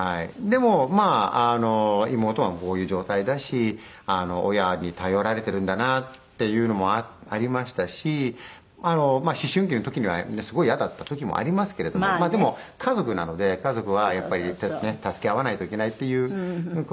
でもまあ妹はこういう状態だし親に頼られてるんだなっていうのもありましたし思春期の時にはすごいイヤだった時もありますけれどもでも家族なので家族はやっぱり助け合わないといけないっていう事も。